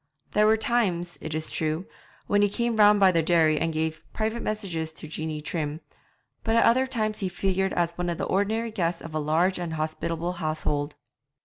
There were times, it is true, when he came round by the dairy and gave private messages to Jeanie Trim, but at other times he figured as one of the ordinary guests of a large and hospitable household.